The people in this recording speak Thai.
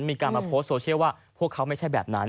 มีการมาโพสต์โซเชียลว่าพวกเขาไม่ใช่แบบนั้น